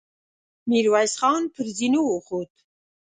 ميرويس خان پر زينو وخوت.